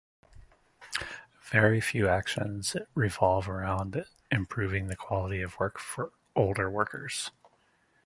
Very few actions revolve around improving the quality of work of older workers.